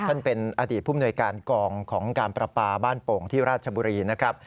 ท่านเป็นอดีตผู้มนวยการกองของการประปาบ้านโป่งที่ราชบุรีนะครับ